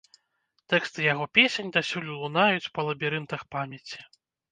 Тэксты яго песень дасюль лунаюць па лабірынтах памяці.